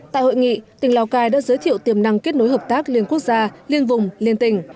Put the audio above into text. tại hội nghị tỉnh lào cai đã giới thiệu tiềm năng kết nối hợp tác liên quốc gia liên vùng liên tỉnh